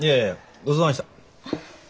ごちそうさまでした。